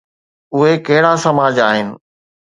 اهي ڪهڙا سماج آهن؟